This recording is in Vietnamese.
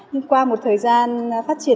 nhưng qua một thời gian phát triển